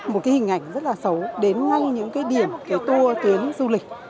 một cái hình ảnh rất là xấu đến ngay những cái điểm cái tour tuyến du lịch